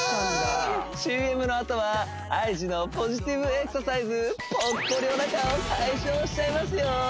ＣＭのあとはＩＧのポジティブエクササイズぽっこりおなかを解消しちゃいますよ